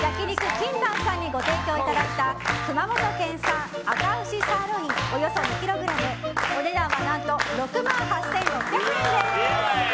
ＫＩＮＴＡＮさんにご提供いただいた熊本県産あか牛サーロインおよそ２ｋｇお値段は何と６万８６００円です。